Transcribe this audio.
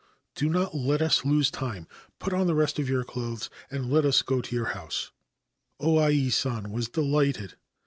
Do not let us lose time : put on the rest of your clothes, and let us go to your house.' O Ai San was delighted.